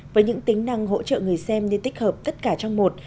với những tính năng hỗ trợ người xem như tích hợp tất cả trong một